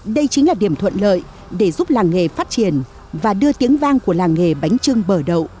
đây chính là điểm thuận lợi để giúp làng nghề phát triển và đưa tiếng vang của làng nghề bánh trưng bở đậu